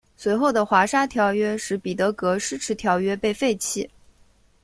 随后的华沙条约使彼得戈施迟条约被废弃。